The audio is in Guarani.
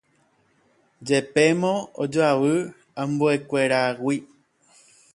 Jepémo ojoavy ambuekuéragui